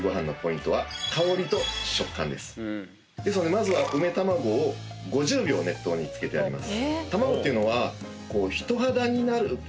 まずはうめたまごを５０秒熱湯に漬けてやります。